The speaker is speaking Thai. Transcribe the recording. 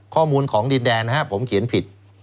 ข้อมูลของดินแดนนะครับผมเขียนผิด